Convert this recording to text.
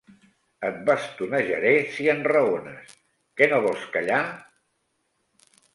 Et bastonejaré, si enraones! Que no vols callar?